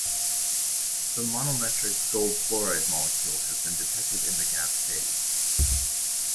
The monomeric AuF molecule has been detected in the gas phase.